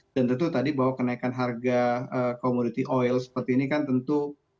dan tentu tadi bahwa kenaikan harga komoditi oil seperti ini kan tentu